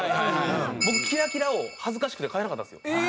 僕キラキラを恥ずかしくて買えなかったんですよ。